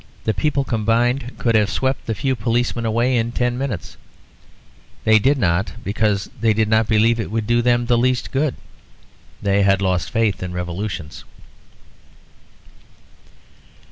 The people combined could have swept the few policemen away in ten minutes: they did not, because they did not believe it would do them the least good. They had lost faith in revolutions.